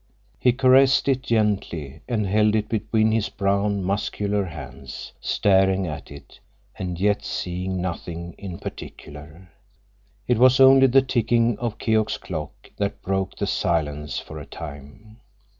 He caressed it gently and held it between his brown, muscular hands, staring at it, and yet seeing nothing in particular. It was only the ticking of Keok's clock that broke the silence for a time.